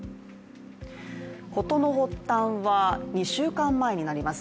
事の発端は２週間前になります。